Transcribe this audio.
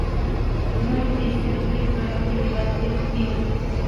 No existe registro de actividad eruptiva.